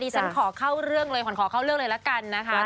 ฉันขอเข้าเรื่องเลยขวัญขอเข้าเรื่องเลยละกันนะคะ